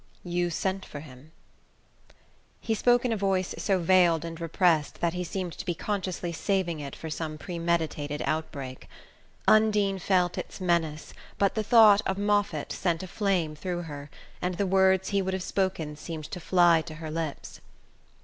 "You sent for him?" He spoke in a voice so veiled and repressed that he seemed to be consciously saving it for some premeditated outbreak. Undine felt its menace, but the thought of Moffatt sent a flame through her, and the words he would have spoken seemed to fly to her lips.